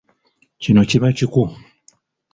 Kino kiba kiku.